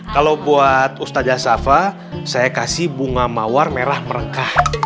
kalau buat ustazah sava saya kasih bunga mawar merah merekah